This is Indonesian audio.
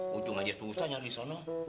pocong aja susah nyari sono